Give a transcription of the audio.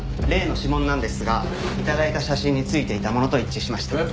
例の指紋なんですが頂いた写真に付いていたものと一致しました。